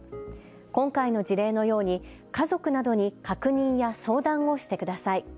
今回の事例のように家族などに確認や相談をしてください。